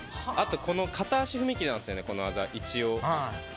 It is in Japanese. あと、この片足踏み切りなんですよね、この技は。